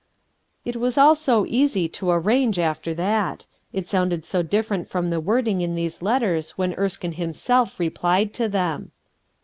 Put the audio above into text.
It was all so easy to arrange after that. It sounded so different from the wording in those letters when Erskine himself replied to them.